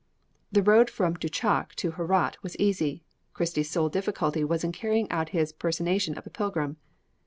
The road from Douchak to Herat was easy. Christie's sole difficulty was in carrying out his personation of a pilgrim.